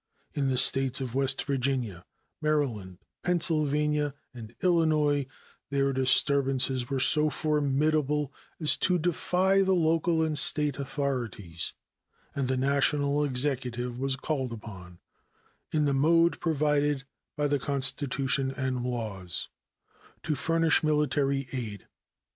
In the States of West Virginia, Maryland, Pennsylvania, and Illinois these disturbances were so formidable as to defy the local and State authorities, and the National Executive was called upon, in the mode provided by the Constitution and laws, to furnish military aid.